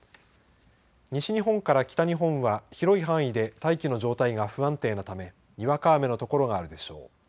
西日本から北日本は広い範囲で大気の状態が不安定なためにわか雨の所があるでしょう。